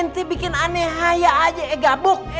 lo bikin aneh aja ya gabuk